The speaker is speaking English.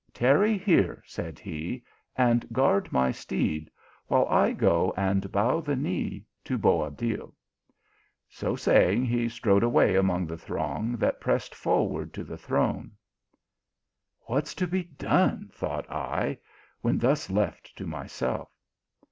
" Tarry here, said he, and guard my steed, while I go and bow the knee to Boabdil. So saying, he strode away among the throng that pressed for ward to the throne. " What s to be clone ? thought I, when thus left to myself.